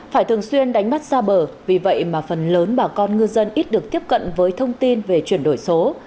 phải thường xuyên đánh bắt xa bờ vì vậy mà phần lớn bà con ngư dân ít được tiếp cận với thông tin về chuyển đổi số